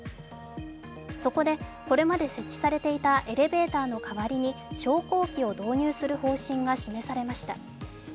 そこで、これまで設置されていたエレベーターの代わりに昇降機を導入する方針が示されました。